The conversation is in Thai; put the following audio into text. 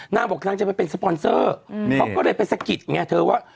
นางบอกนางจะไปเป็นสปอนเซอร์เขาก็เลยไปสะกิดไงเธอว่า